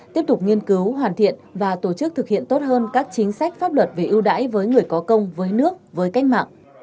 tiếp tục nghiên cứu hoàn thiện và tổ chức thực hiện tốt hơn các chính sách pháp luật về ưu đãi với người có công với nước với cách mạng